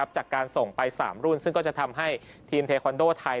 จากการส่งไป๓รุ่นซึ่งก็จะทำให้ทีมเทคอนโดไทย